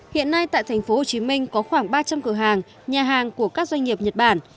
hiện nay tại tp hcm có khoảng ba trăm linh cửa hàng nhà hàng của các doanh nghiệp nhật bản